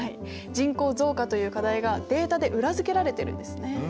人口増加という課題がデータで裏付けられてるんですね。